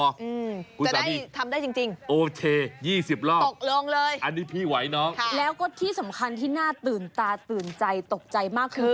จะได้ทำได้จริงโอเคยี่สิบรอบอันนี้พี่ไหว้น้องแล้วก็ที่สำคัญที่น่าตื่นตาตื่นใจตกใจมากคือ